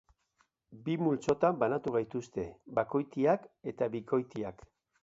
Bi multzotan banatu gaituzte: bakoitiak eta bikoitiak.